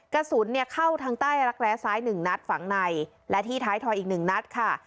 กระสุนเนี่ยเข้าทางใต้รักแร้ซ้ายหนึ่งนัดฝั่งในและที่ท้ายถอยอีกหนึ่งนัดค่ะ